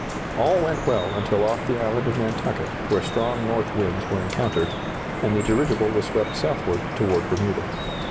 All went well until off the island of Nantucket, where strong north winds were encountered, and the dirigible was swept southward toward Bermuda.